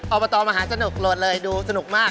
ออกมาต่อมาหาสนุกโหลดเลยดูสนุกมาก